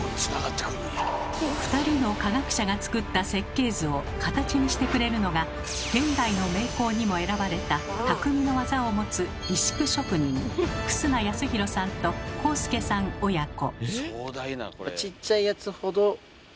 ２人の科学者が作った設計図を形にしてくれるのが「現代の名工」にも選ばれた匠の技を持つ石工職人楠名康弘さんと康輔さん親子。